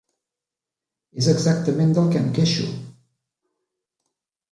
És exactament del que em queixo!